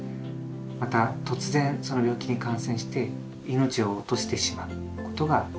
また突然その病気に感染して命を落としてしまうことが出てきます。